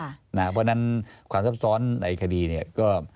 เพราะฉะนั้นความซับซ้อนในคดีเนี่ยก็